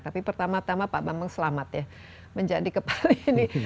tapi pertama tama pak bambang selamat ya menjadi kepala ini